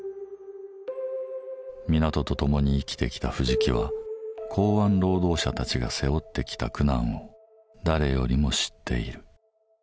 港と共に生きてきた藤木は港湾労働者たちが背負ってきた苦難を誰よりも知っている。